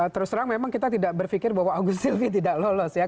terus terang memang kita tidak berpikir bahwa agus silvi tidak lolos ya